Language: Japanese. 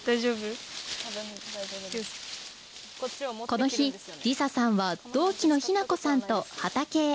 この日梨紗さんは同期の妃南子さんと畑へ。